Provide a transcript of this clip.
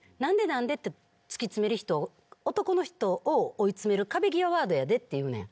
何で？って突き詰める人男の人を追いつめる壁際ワードやでって言うねん。